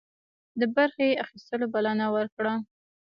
د برخي اخیستلو بلنه ورکړه.